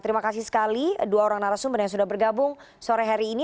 terima kasih sekali dua orang narasumber yang sudah bergabung sore hari ini